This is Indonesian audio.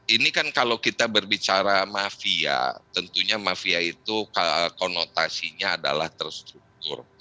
ini kan kalau kita berbicara mafia tentunya mafia itu konotasinya adalah terstruktur